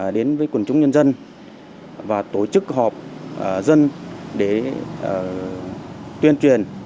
đến với quần chúng nhân dân và tổ chức họp dân để tuyên truyền